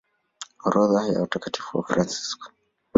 Orodha ya Watakatifu Wafransisko